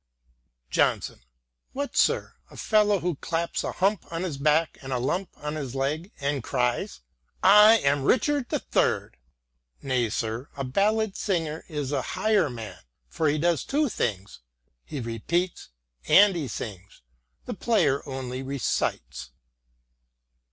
Johnson :" What, sir, a fellow who claps a hump on his back and a lump on his leg and cries, ' I am Richard III.' Nay, sir, a ballad singer is a higher man, for he does two things : he repeats and he sings ... the player only recites."